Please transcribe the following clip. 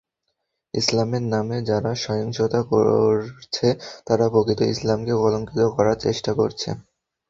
ইসলামের নামে যারা সহিংসতা করছে, তারা প্রকৃত ইসলামকে কলঙ্কিত করার চেষ্টা করছে।